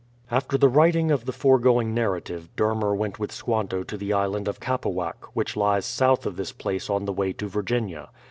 After the writing of the foregoing narrative, Dermer went with Squanto to the Island of Capawack, which lies south of this place on the way to Virginia.